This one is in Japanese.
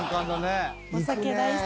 「お酒大好き」